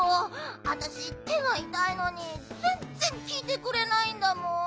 あたしてがいたいのにぜんぜんきいてくれないんだもん！